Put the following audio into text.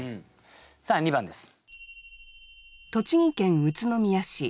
さあ２番です。